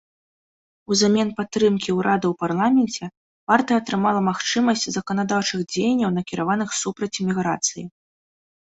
Узамен падтрымкі ўрада ў парламенце, партыя атрымала магчымасць заканадаўчых дзеянняў накіраваных супраць іміграцыі.